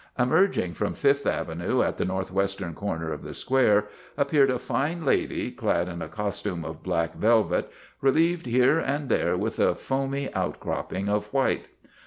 Emerging from Fifth Avenue, at the northwestern corner of the Square, appeared a fine lady, clad in a costume of black velvet, relieved here and there with a foamy outcropping of white.